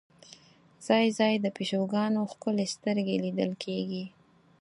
ځای ځای د پیشوګانو ښکلې سترګې لیدل کېږي.